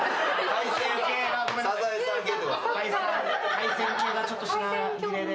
海鮮系がちょっと品切れで。